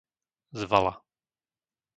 Zvala